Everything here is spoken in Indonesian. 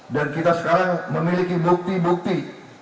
dan kita sekarang memiliki bukti bukti